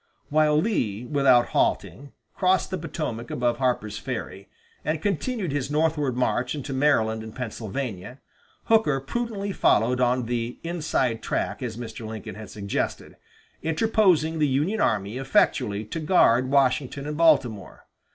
While Lee, without halting, crossed the Potomac above Harper's Ferry, and continued his northward march into Maryland and Pennsylvania, Hooker prudently followed on the "inside track" as Mr. Lincoln had suggested, interposing the Union army effectually to guard Washington and Baltimore.